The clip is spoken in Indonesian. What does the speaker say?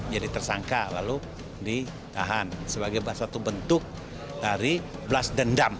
jadi tersangka lalu ditahan sebagai satu bentuk dari belas dendam